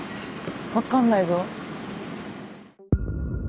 分かんないぞ。